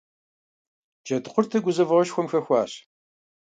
Джэдкъуртыр гузэвэгъуэшхуэм хэхуащ.